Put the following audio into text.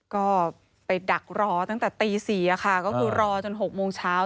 ก็ไปดักรอตั้งแต่ตี๔ค่ะก็คือรอจน๖โมงเช้า